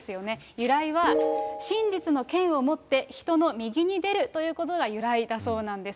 由来は、真実の剣を持って、人の右に出るということが由来だそうなんです。